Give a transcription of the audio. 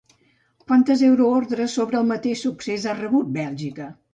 Quantes euroordres sobre el mateix succés han rebut a Bèlgica?